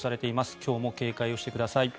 今日も警戒してください。